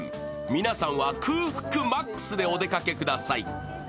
皆さんは空腹マックスでお出かけください。